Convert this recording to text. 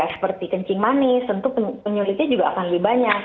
seperti kencing manis tentu penyulitnya juga akan lebih banyak